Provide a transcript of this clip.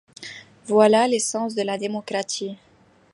Voilà l'essence de la démocratie.